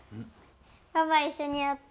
パパ一緒にやって。